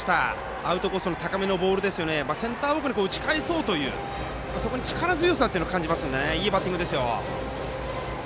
アウトコースの高めのボールをセンター方向に打ち返そうというそこに力強さを感じますのでいいバッティングでしたよ。